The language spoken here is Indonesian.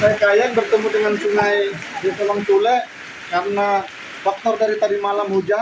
ini dia dari sejak tahun dua ribu empat belas